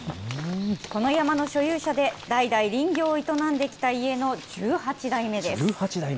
この山の所有者で、代々林業を営んできた家の１８代目です。